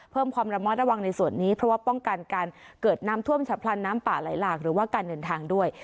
เพิ่มความระมัดระวังในส่วนนี้เพราะว่าป้องกันการเกิดน้ำท่วมฉับพลันน้ำป่าไหลหลากหรือว่าการเดินทางด้วย